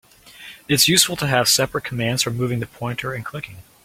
It's useful to have separate commands for moving the pointer and clicking.